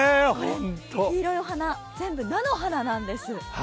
黄色いお花、全部、菜の花なんです。